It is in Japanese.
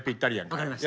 分かりました。